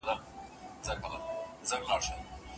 شيطان خلک هڅولي دي، چي د رسولانو مخالفت وکړي.